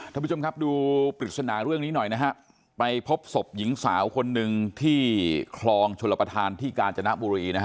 ท่านผู้ชมครับดูปริศนาเรื่องนี้หน่อยนะฮะไปพบศพหญิงสาวคนหนึ่งที่คลองชลประธานที่กาญจนบุรีนะฮะ